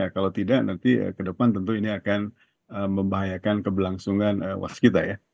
kalau tidak nanti ke depan tentu ini akan membahayakan keberlangsungan waskita ya